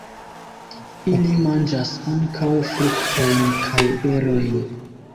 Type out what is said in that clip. Ili manĝas ankaŭ fruktojn kaj berojn.